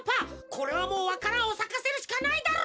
これはもうわか蘭をさかせるしかないだろう！